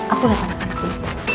aku udah pandangkan aku